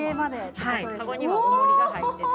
カゴにはおもりが入ってて。